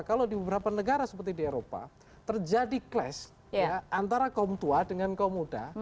kalau di beberapa negara seperti di eropa terjadi clash antara kaum tua dengan kaum muda